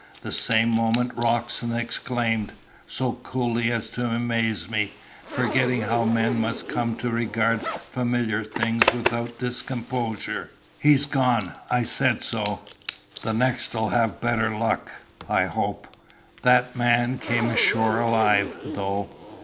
The same moment Roxton exclaimed so coolly as to amaze me, forgetting how men must come to regard familiar things without discomposure "He's gone! I said so. The next'll have better luck, I hope." That man came ashore alive, though.